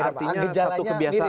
dia artinya satu kebiasaan